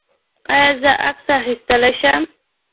ایا زه عکس اخیستلی شم؟